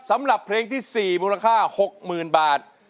สำหรับเพลงที่๔มูลค่า๖๐๐๐บาท